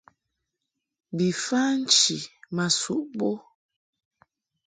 Bi fa nchi ma suʼ bo.